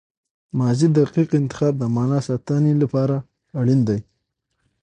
ماضي دقیق انتخاب د معنی ساتني له پاره اړین دئ.